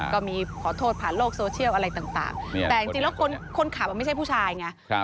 ก็มีขอโทษผ่านโลกโซเชียลอะไรต่างแต่จริงแล้วคนขับไม่ใช่ผู้ชายไง